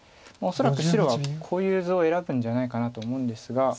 恐らく白はこういう図を選ぶんじゃないかなと思うんですが。